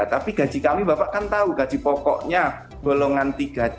tapi gaji kami bapak kan tahu gaji pokoknya bolongan tiga c itu rendah di bawah lima juta